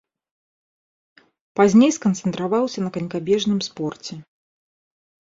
Пазней сканцэнтраваўся на канькабежным спорце.